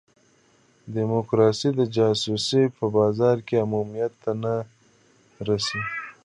ډیموکراسي د جاسوسۍ په بازار کې عمومیت ته نه رسي.